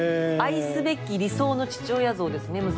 愛すべき理想の父親像ですね。